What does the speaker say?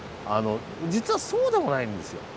実はそうでもないんですよ。